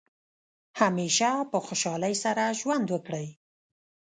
همیشه په خوشحالۍ سره ژوند وکړئ.